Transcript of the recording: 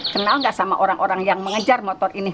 kenal nggak sama orang orang yang mengejar motor ini